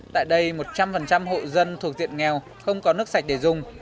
tại đây một trăm linh hộ dân thuộc diện nghèo không có nước sạch để dùng